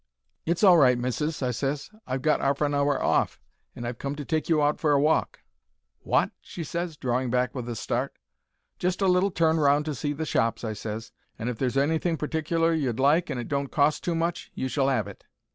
"'It's all right, missis,' I ses. 'I've got 'arf an hour off, and I've come to take you out for a walk.' "'Wot?' she ses, drawing back with a start. "'Just a little turn round to see the shops,' I ses; 'and if there's anything particler you'd like and it don't cost too much, you shall 'ave it.'